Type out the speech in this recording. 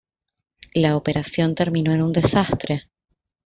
La operación terminó en un desastre.